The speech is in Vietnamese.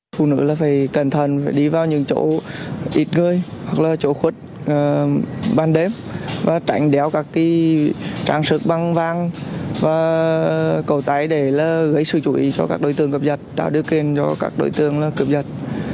phụ nữ là phải cẩn thận phải đi vào những chỗ ít người hoặc là chỗ khuất ban đêm và tránh đeo các trang sức băng vàng và cầu tay để gây sự chú ý cho các đối tượng cập nhật tạo điều kiện cho các đối tượng cướp giật